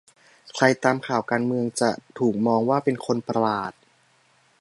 ใครตามข่าวการเมืองจะถูกมองว่าเป็นคนประหลาด